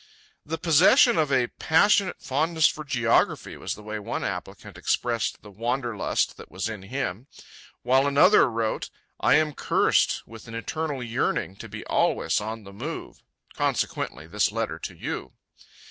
The possession of a "passionate fondness for geography," was the way one applicant expressed the wander lust that was in him; while another wrote, "I am cursed with an eternal yearning to be always on the move, consequently this letter to you."